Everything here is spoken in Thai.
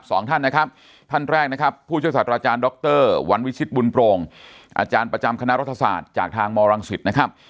สองท่านนะครับท่านแรกนะครับผู้ช่วยศาสตราจารย์ดรวันวิชิตบุญโปรงอาจารย์ประจำคณะรัฐศาสตร์จากทางมรังสิตนะครับ